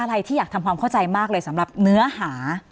ที่อยากทำความเข้าใจมากเลยสำหรับเนื้อหา